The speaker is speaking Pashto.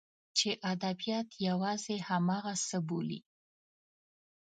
چې ادبیات یوازې همغه څه بولي.